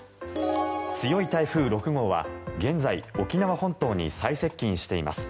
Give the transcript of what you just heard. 強い台風６号は現在沖縄本島に最接近しています。